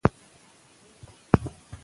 هغه به تر غرمه انتظار ایستلی وي.